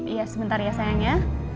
iya sebentar ya sayang ya